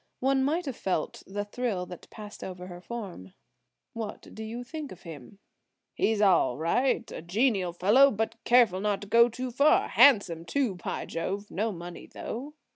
One might have felt the thrill that passed over her form. "What do you think of him?" "He's all right; a genial fellow, but careful not to go too far; handsome, too, by Jove. No money, though?"